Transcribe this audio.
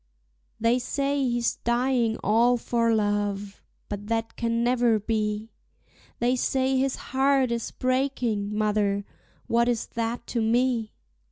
They say he's dying all for love, but that can never be; They say his heart is breaking, mother, what is that to me?